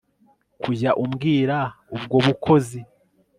kujya umbwira ubwo bukozi